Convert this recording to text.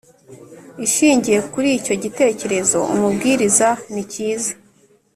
ishingiye kuri icyo gitekerezo umubwiriza ni cyiza